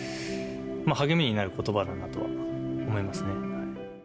励みになることばだなとは思いますね。